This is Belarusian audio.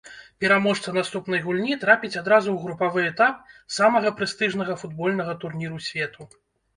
Пераможца наступнай гульні трапіць адразу ў групавы этап самага прэстыжнага футбольнага турніру свету.